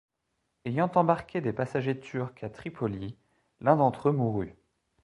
Ayant embarqué des passagers turcs à Tripoli, l’un d’entre eux mourut.